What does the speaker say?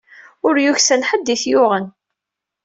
Ur yeksan ḥedd ay t-yuɣen.